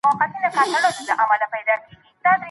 ایا باسواده مېرمن د کور ښه مديريت کولای سي؟